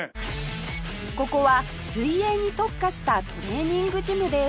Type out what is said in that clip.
ここは水泳に特化したトレーニングジムです